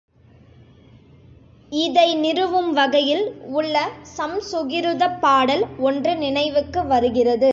இதை நிறுவும் வகையில் உள்ள சம்சுகிருதப் பாடல் ஒன்று நினைவுக்கு வருகிறது.